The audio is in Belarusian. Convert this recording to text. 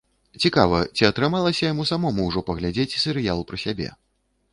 Цікава, ці атрымалася яму самому ўжо паглядзець серыял пра сябе?